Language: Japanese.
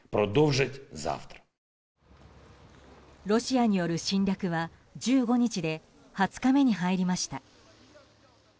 ロシアによる侵略は１５日で２０日目に入りました。